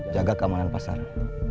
jaga keamanan pasaran